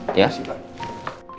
terima kasih pak